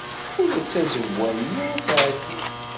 Ula d tazawwa-nni ad tɛeddi.